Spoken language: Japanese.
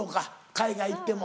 海外行っても。